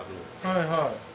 はいはい。